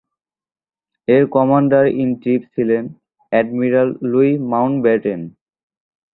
এর commander in chief ছিলেন admiral Louis Mountbatten.